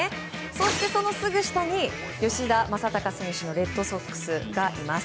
そしてそのすぐ下に吉田正尚選手のレッドソックスがいます。